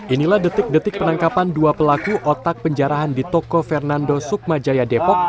inilah detik detik penangkapan dua pelaku otak penjarahan di toko fernando sukmajaya depok